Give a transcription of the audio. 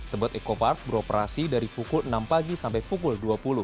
tebet eco park beroperasi dari pukul enam pagi sampai pukul dua puluh